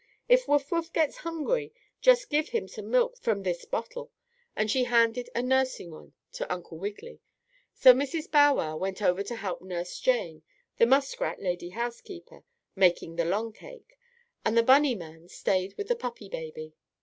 If Wuff Wuff gets hungry, just give him some milk from this bottle," and she handed a nursing one to Uncle Wiggily. So Mrs. Bow Wow went over to help Nurse Jane, the muskrat lady housekeeper, make the longcake, and the bunny man stayed with the puppy baby.